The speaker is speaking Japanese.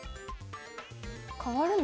変わるの？